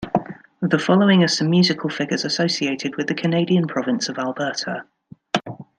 The following are some musical figures associated with the Canadian province of Alberta.